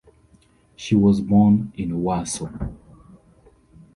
She was born in Warsaw.